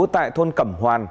tại thôn cẩm hòa